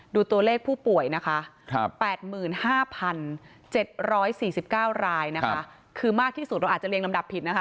ดูตัวเลขผู้ป่วยนะคะ๘๕๗๔๙รายนะคะคือมากที่สุดเราอาจจะเรียงลำดับผิดนะคะ